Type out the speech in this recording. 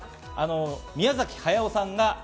宮崎駿さんが。